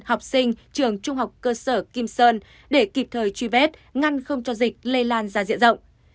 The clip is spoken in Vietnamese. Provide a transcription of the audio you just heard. học sinh trường trung học cơ sở kim sơn để kịp thời truy vết ngăn không cho dịch lây lan ra diện rộng